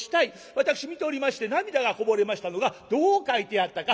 私見ておりまして涙がこぼれましたのがどう書いてあったか。